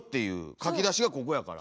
書き出しがここやから。